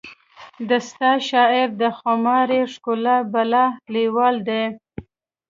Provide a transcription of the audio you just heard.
د ستا شاعر د خماري ښکلا بلا لیوال دی